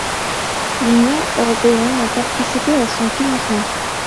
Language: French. L'Union européenne a participé à son financement.